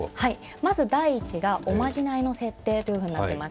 まず第１が、おまじないの設定となっています。